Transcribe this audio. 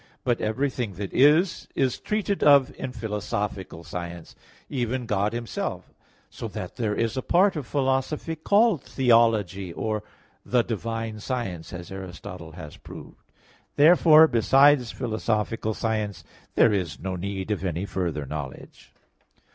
But everything that is, is treated of in philosophical science even God Himself; so that there is a part of philosophy called theology, or the divine science, as Aristotle has proved (Metaph. vi). Therefore, besides philosophical science, there is no need of any further knowledge.